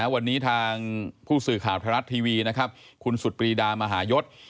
วันนี้ทางผู้สื่อข่าวไทยรัฐทีวีนะครับคุณสุดปรีดามหายศ